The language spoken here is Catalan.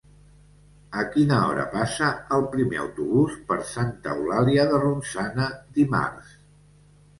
A quina hora passa el primer autobús per Santa Eulàlia de Ronçana dimarts?